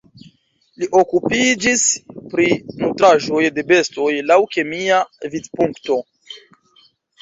Li okupiĝis pri nutraĵoj de bestoj laŭ kemia vidpunkto.